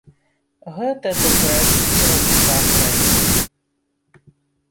Гэта дэкрэт кіраўніка краіны.